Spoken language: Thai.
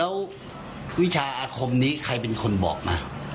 แล้ววิชาอาคมนี้ใครเป็นคนบอกมา